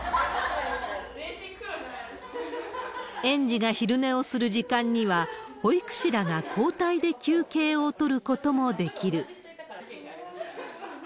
園児が昼寝をする時間には、保育士らが交代で休憩を取ることもできる。